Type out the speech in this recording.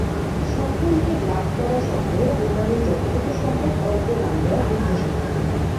স্বল্প উইকেট লাভ করা স্বত্ত্বেও বোলারের যতটুকু সম্ভব অল্প রান দেয়ার উদ্দেশ্য থাকে।